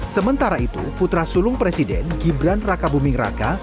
sementara itu putra sulung presiden gibran raka buming raka